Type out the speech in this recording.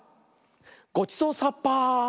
ごちそうさっぱ。